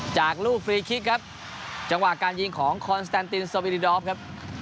จากลูกฟรีคิกครับจังหวะการยิงของคอนสแตนตินโซบีดิดอฟครับ